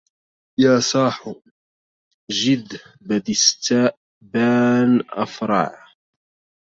يا صاح جد بدستبان أفرع